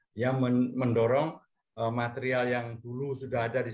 dia mendorong material yang dulu sudah ada di sini